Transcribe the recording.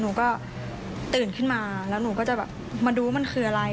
หนูก็ตื่นขึ้นมาแล้วหนูก็จะแบบมาดูมันคืออะไร